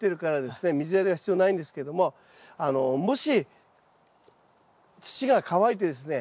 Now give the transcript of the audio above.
水やりは必要ないんですけどももし土が乾いてですね